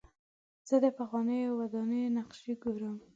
زه د پخوانیو ودانیو نقشې ګورم.